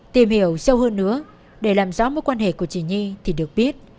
tìm hiểu sâu hơn nữa để làm rõ mối quan hệ của chị nhi thì được biết